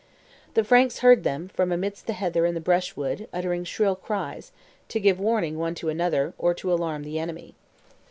The Franks heard them, from amidst the heather and the brushwood, uttering shrill cries, to give warning one to another, or to alarm the enemy.